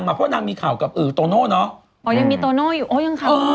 อ๋อยังมีตัวโน่อยู่